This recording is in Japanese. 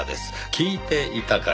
聞いていたから。